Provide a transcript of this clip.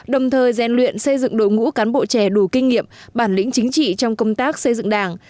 đồng thời gian luyện xây dựng đội ngũ cán bộ trẻ đủ kinh nghiệm bản lĩnh chính trị trong công tác xây dựng đảng